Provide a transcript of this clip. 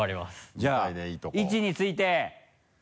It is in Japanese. じゃあ位置について。